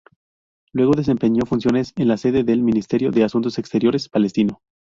Luego desempeñó funciones en la sede del Ministerio de Asuntos Exteriores palestino.